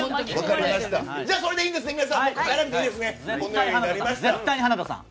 それでいいんですね、皆さん。